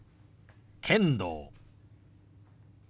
「剣道」。